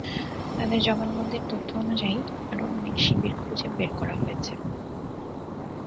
তাঁদের জবানবন্দির তথ্য অনুযায়ী আরও অনেক শিবির খুঁজে বের করা হয়েছে।